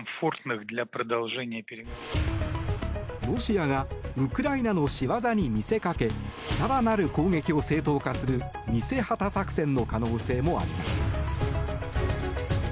ロシアがウクライナのしわざに見せかけ更なる攻撃を正当化する偽旗作戦の可能性もあります。